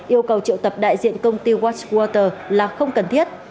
yêu cầu triệu tập đại diện công ty westwater là không cần thiết